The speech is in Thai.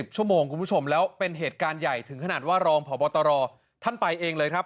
ชั่วโมงคุณผู้ชมแล้วเป็นเหตุการณ์ใหญ่ถึงขนาดว่ารองพบตรท่านไปเองเลยครับ